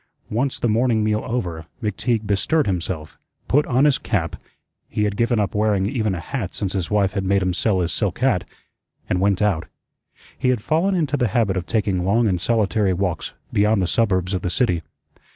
Once the morning meal over, McTeague bestirred himself, put on his cap he had given up wearing even a hat since his wife had made him sell his silk hat and went out. He had fallen into the habit of taking long and solitary walks beyond the suburbs of the city.